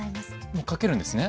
もう書けるんですね？